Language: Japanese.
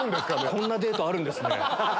こんなデートあるんですね。